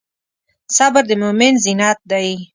صبر د مؤمن زینت دی.